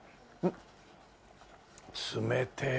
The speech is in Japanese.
冷てえ。